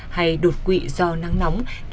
hay đột quỵ do nắng nóng